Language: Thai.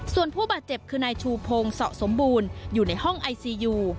ส่วนผู้บาดเจ็บคือนายชูพงสะสมบูรณ์อยู่ในห้องไอซียู